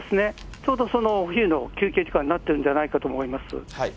ちょうどそのお昼の休憩時間になってるんじゃないかと思います。